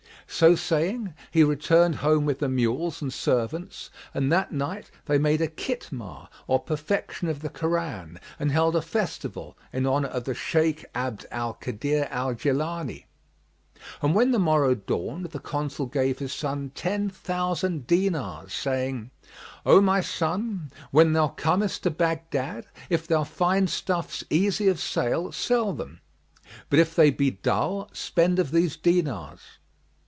So saying, he returned home with the mules and servants and that night they made a Khitmah or perfection of the Koran and held a festival—in honour of the Shaykh Abd al Kadir al Jilбni. And when the morrow dawned, the Consul gave his son ten thousand dinars, saying, "O my son, when thou comest to Baghdad, if thou find stuffs easy of sale, sell them; but if they be dull, spend of these dinars."